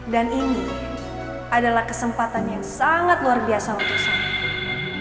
dan ini adalah kesempatan yang sangat luar biasa untuk saya